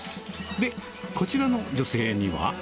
で、こちらの女性には。